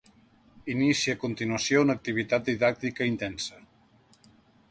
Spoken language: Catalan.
Inicia a continuació una activitat didàctica intensa.